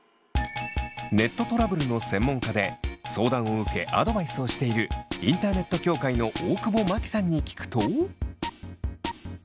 ネットトラブルの専門家で相談を受けアドバイスをしているインターネット協会の大久保真紀さんに聞くと。